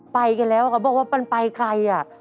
ไปกันแล้วก็บอกว่าเป็นไปไกล